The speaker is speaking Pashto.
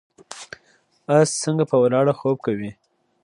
اس څنګه په ولاړه خوب کوي؟